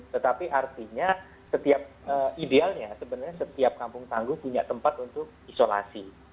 tetapi artinya setiap idealnya sebenarnya setiap kampung tangguh punya tempat untuk isolasi